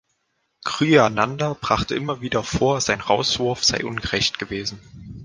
Kriyananda brachte immer wieder vor, sein Rauswurf sei ungerecht gewesen.